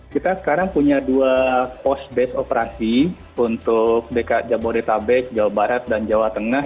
kita sekarang punya dua pos base operasi untuk dekat jabodetabek jawa barat dan jawa tengah